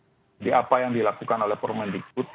jadi apa yang dilakukan oleh permain digbut